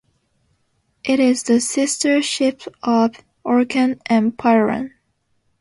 It is the sister ship of "Orkan" and "Piorun".